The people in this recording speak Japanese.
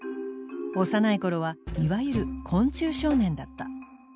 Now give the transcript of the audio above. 幼い頃はいわゆる昆虫少年だった。